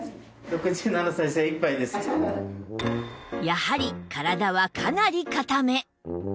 やはり体はかなり硬め